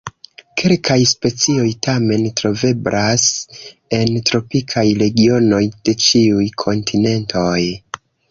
Kelkaj specioj tamen troveblas en tropikaj regionoj de ĉiuj kontinentoj.